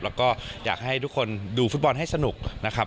แล้วก็อยากให้ทุกคนดูฟุตบอลให้สนุกนะครับ